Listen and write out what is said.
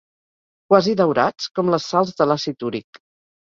Quasi daurats, con les sals de l'àcid úric.